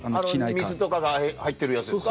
水とかが入ってるやつですか。